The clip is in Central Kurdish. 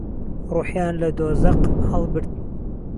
روحیان لە دۆزەق هەڵبرد